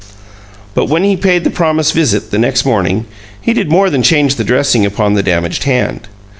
But when he paid the promised visit, the next morning, he did more than change the dressing upon the damaged hand.